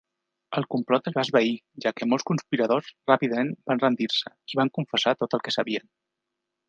El complot es va esvair ja que molts conspiradors ràpidament van rendir-se i van confessar tot el que sabien.